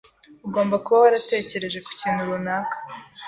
Ugomba kuba waratekereje ku kintu runaka.